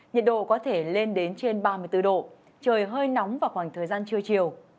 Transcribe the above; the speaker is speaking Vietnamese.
nhiệt độ có thể lên đến trên ba mươi bốn độ trời hơi nóng vào khoảng thời gian trưa chiều